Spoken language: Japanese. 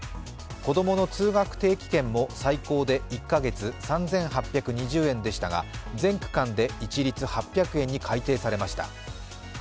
こどもの通学定期券も最高で１カ月３８２０円でしたが、全区間で一律８００円に改定されました。